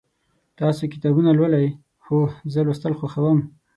تاسو کتابونه لولئ؟ هو، زه لوستل خوښوم